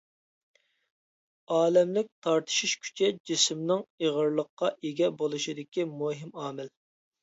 ئالەملىك تارتىشىش كۈچى جىسىمنىڭ ئېغىرلىققا ئىگە بولۇشىدىكى مۇھىم ئامىل.